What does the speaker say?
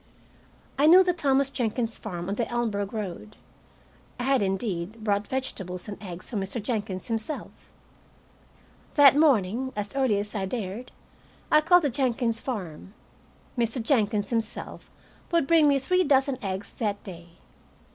I knew the Thomas Jenkins farm on the Elmsburg road. I had, indeed, bought vegetables and eggs from Mr. Jenkins himself. That morning, as early as I dared, I called the Jenkins farm. Mr. Jenkins himself would bring me three dozen eggs that day.